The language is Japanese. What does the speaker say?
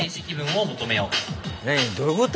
何どういうこと？